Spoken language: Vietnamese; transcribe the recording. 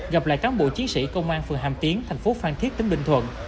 gặp lại cán bộ chiến sĩ công an phường hàm tiến thành phố phan thiết tỉnh bình thuận